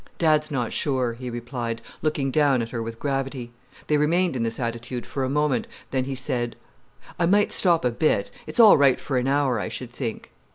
"Dad's not sure," he replied, looking down at her with gravity. They remained in this attitude for a moment, then he said: "I might stop a bit. It's all right for an hour, I should think."